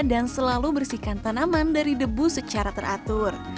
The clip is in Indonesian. dan selalu bersihkan tanaman dari debu secara teratur